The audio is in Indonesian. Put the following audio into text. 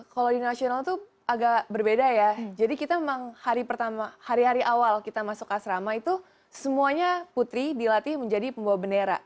kalau di nasional itu agak berbeda ya jadi kita memang hari pertama hari hari awal kita masuk asrama itu semuanya putri dilatih menjadi pembawa bendera